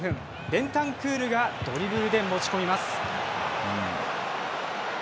ベンタンクールがドリブルで持ち込みます。